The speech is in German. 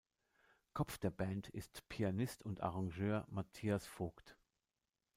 Kopf der Band ist Pianist und Arrangeur Matthias Vogt.